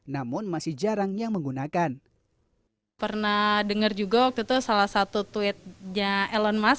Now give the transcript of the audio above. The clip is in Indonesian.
pernah dengar juga waktu itu salah satu tweetnya elon musk